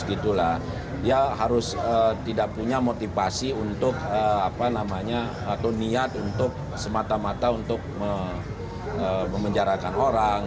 dia harus tidak punya motivasi untuk niat untuk semata mata untuk memenjarakan orang